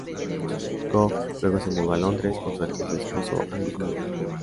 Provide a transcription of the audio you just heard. Goff luego se mudó a Londres con su entonces esposo, Angus Munro.